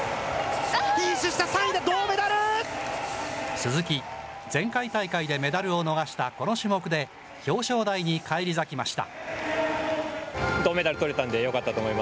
フィニッシュした、鈴木、前回大会でメダルを逃したこの種目で、表彰台に返り咲きました。